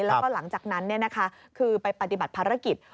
แล้วก็หลังจากนั้นเนี่ยนะคะคือไปปฏิบัติภารกิจ